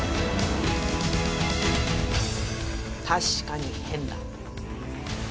確かに変だ。